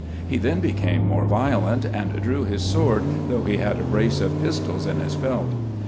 He then became more violent, and drew his sword, though he had a brace of pistols in his belt.